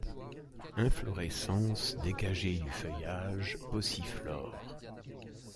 Inflorescence dégagée du feuillage, pauciflore.